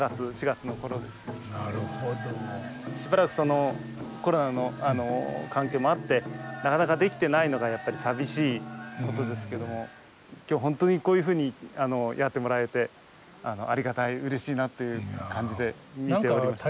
しばらくコロナの関係もあってなかなかできてないのがやっぱり寂しいことですけども今日本当にこういうふうにやってもらえてありがたいうれしいなという感じで。